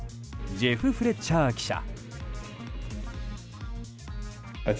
ジェフ・フレッチャー記者。